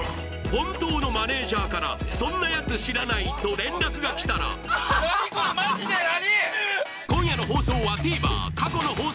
本当のマネージャーから「そんなやつ知らない」と連絡がきたら何これマジで何？